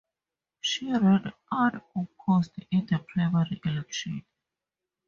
She ran unopposed in the primary election.